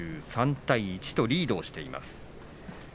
３対１とリードしています。